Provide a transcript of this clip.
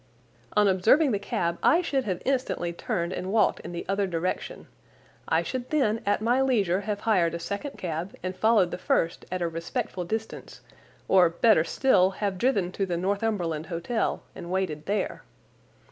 "On observing the cab I should have instantly turned and walked in the other direction. I should then at my leisure have hired a second cab and followed the first at a respectful distance, or, better still, have driven to the Northumberland Hotel and waited there.